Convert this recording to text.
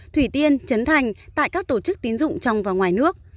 thủy tiên trấn thành tại các tổ chức tín dụng trong và ngoài nước